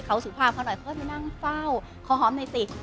เขาสุภาพเขาหน่อยค่อยไปนั่งเฝ้าขอหอมหน่อยสิ